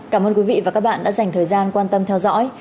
cảm ơn quý vị và các bạn đã dành thời gian quan tâm theo dõi